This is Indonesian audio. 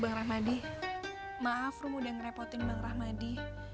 bang rahmadi maaf rumah udah ngerepotin bang rahmadi